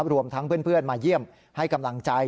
รวมทั้งเพื่อนมาเยี่ยมให้กำลังใจ